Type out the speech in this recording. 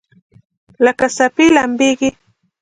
لکه څپې لمبیږي